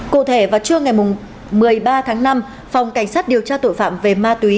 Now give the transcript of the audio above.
cụ thể vào trưa ngày một mươi ba tháng năm phòng cảnh sát điều tra tội phạm về ma túy